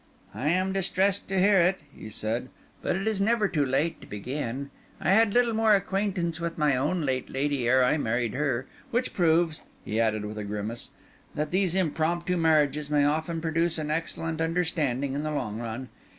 "I am distressed to hear it," he said. "But it is never too late to begin. I had little more acquaintance with my own late lady ere I married her; which proves," he added with a grimace, "that these impromptu marriages may often produce an excellent understanding in the long run.